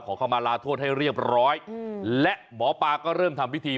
เข้ามาลาโทษให้เรียบร้อยและหมอปลาก็เริ่มทำพิธี